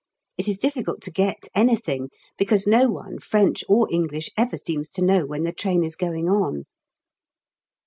It is difficult to get anything, because no one, French or English, ever seems to know when the train is going on.